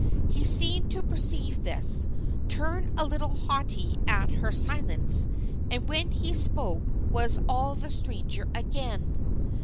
He seemed to perceive this, turned a little haughty at her silence, and when he spoke was all the stranger again.